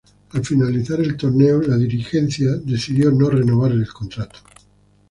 Al finalizar el torneo la dirigencia decidió no renovarle el contrato.